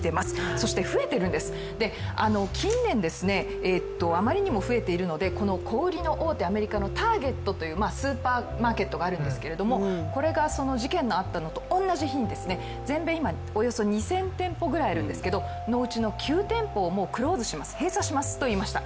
そして増えてるんです、近年、あまりにも増えているので、小売の大手アメリカのターゲットというスーパーマーケットがあるんですけれどもこれが事件のあったのと同じ日に、全米今およそ２０００店舗ぐらいあるんですがそのうちの９店舗をクローズします、閉鎖しますと言いました。